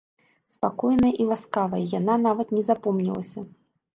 Спакойная і ласкавая, яна нават не запомнілася.